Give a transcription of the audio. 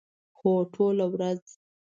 هو، ټوله ورځ